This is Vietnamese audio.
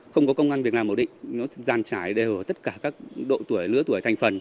không có công an việc làm ổn định nó giàn trải đều ở tất cả các độ tuổi lứa tuổi thành phần